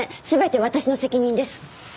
全て私の責任です。